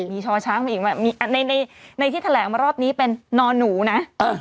มีชอช้างมาอีกแบบในที่แถลงมารอบนี้เป็นนอนหนูนะ